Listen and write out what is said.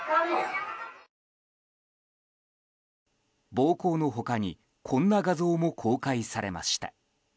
暴行の他にこんな画像も公開されました。